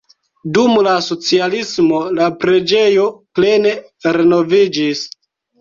Dum la socialismo la preĝejo plene renoviĝis.